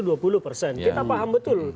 kita paham betul